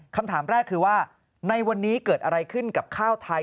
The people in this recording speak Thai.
คำถามแรกคือว่าในวันนี้เกิดอะไรขึ้นกับข้าวไทย